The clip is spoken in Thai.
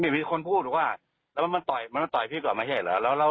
อ๋อนี่มีคนพูดอ่ะแล้วมันต่อยพี่ก่อนมาใช่เหรอ